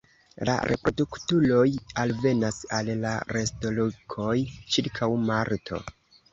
La reproduktuloj alvenas al la nestolokoj ĉirkaŭ marto.